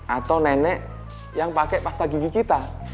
atau nenek yang pakai pasta gigi kita